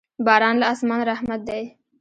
باران له اسمانه رحمت دی.